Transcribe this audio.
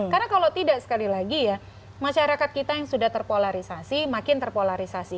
karena kalau tidak sekali lagi ya masyarakat kita yang sudah terpolarisasi makin terpolarisasi